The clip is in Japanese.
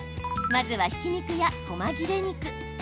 まずは、ひき肉やこま切れ肉。